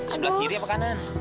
sebelah kiri apa kanan